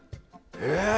え！